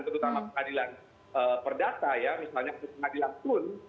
terutama pengadilan perdata misalnya pengadilan pun